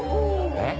えっ？